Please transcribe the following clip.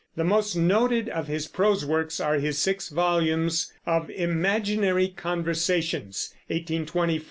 The most noted of his prose works are his six volumes of Imaginary Conversations (1824 1846).